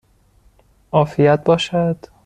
عافیت باشد!